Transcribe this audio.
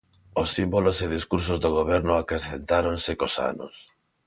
Os símbolos e discursos do goberno acrecentáronse cos anos.